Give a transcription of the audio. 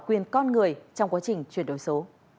quyền con người trong quá trình chuyển đổi số